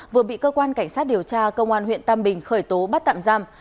vừa bị cơ quan cảnh sát điều tra công an huyện tam bình khởi tố bắt tạm giam